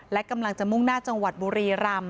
และกำลังจะมุ่งหน้าจังหวัดบุรีรำ